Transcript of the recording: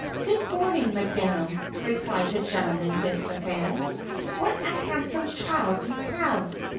"Good morning, madam!" replied the gentleman with the fan. "What a handsome child you have!